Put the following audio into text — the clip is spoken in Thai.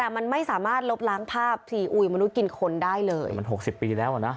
มันไม่สามารถลบล้างภาพซีอุยมนุษย์กินคนได้เลยมัน๖๐ปีแล้วอ่ะนะ